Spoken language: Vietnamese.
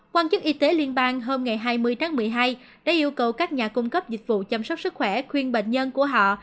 quan chức y tế liên bang hôm hai mươi tháng một mươi hai đã yêu cầu các nhà cung cấp dịch vụ chăm sóc sức khỏe khuyên bệnh nhân của họ